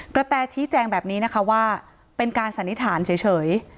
แตชี้แจงแบบนี้นะคะว่าเป็นการสันนิษฐานเฉย